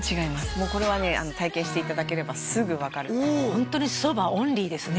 もうこれはね体験していただければすぐ分かるホントに蕎麦オンリーですね